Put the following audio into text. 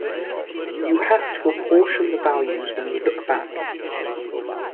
You have to apportion the values when you look back.